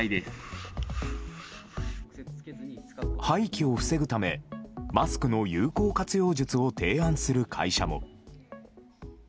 廃棄を防ぐためマスクの有効活用術を提案する会社も。